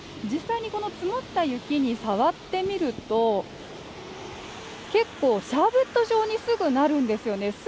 実際にこの積もった雪に触ってみると、結構シャーベット状にすぐなるんですよね。